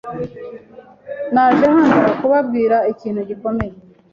Naje hano kubabwira ikintu gikomeye.